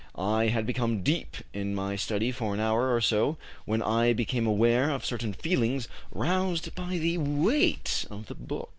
I had become deep in my study for an hour or so when I became aware of certain feelings roused by the weight of the book.